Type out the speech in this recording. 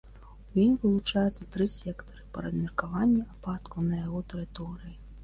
У ім вылучаецца тры сектары па размеркаванні ападкаў на яго тэрыторыі.